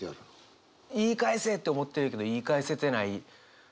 言い返せって思ってるけど言い返せてない。